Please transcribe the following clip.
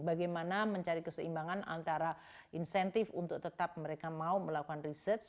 bagaimana mencari keseimbangan antara insentif untuk tetap mereka mau melakukan research